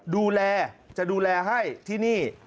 ดูแลจะดูแลให้ที่นี่